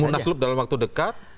munaslup dalam waktu dekat